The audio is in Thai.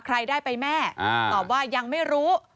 ใครได้ไปแม่ตอบว่ายังไม่รู้